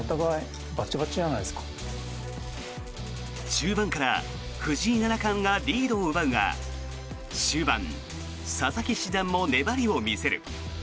中盤から藤井七冠がリードを奪うが終盤佐々木七段も粘りを見せる。